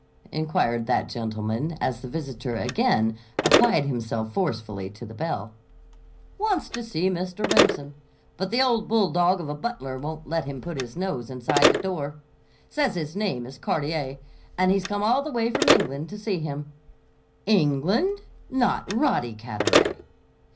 inquired that gentleman as the visitor again applied himself forcefully to the bell. "Wants to see Mr. Remsen. But the old bulldog of a butler won't let him put his nose inside the door. Says his name is Carteret, and he's come all the way from England to see him." "England? Not Roddy Carteret!"